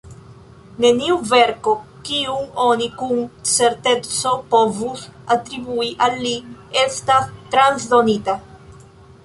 Neniu verko, kiun oni kun certeco povus atribui al li, estas transdonita.